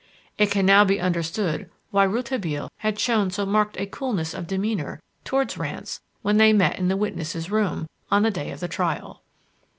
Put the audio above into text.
It can now be understood why Rouletabille had shown so marked a coolness of demeanour towards Rance when they met in the witnesses' room, on the day of the trial.